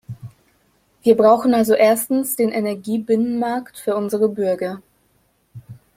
Wir brauchen also erstens den Energiebinnenmarkt für unsere Bürger.